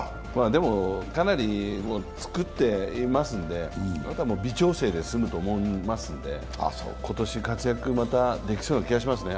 でもかなり作っていますのであとは微調整で済むと思いますので今年活躍、またできそうな気がしますね。